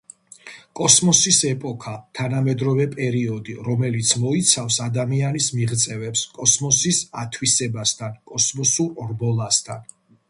კოსმოსის ეპოქა — თანამედროვე პერიოდი, რომელიც მოიცავს ადამიანის მიღწევებს კოსმოსის ათვისებასთან, კოსმოსურ რბოლასთან.